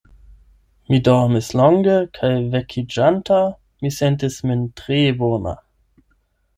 Mi dormis longe, kaj vekiĝanta mi sentis min tre bona.